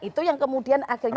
itu yang kemudian akhirnya